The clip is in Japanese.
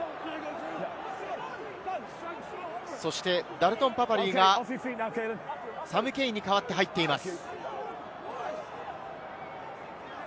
ダルトン・パパリイがサム・ケインに代わって入っています。